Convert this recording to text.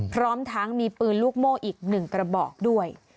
พร้อมทั้งมีปืนลูกโม่อีก๑กระบอกด้วย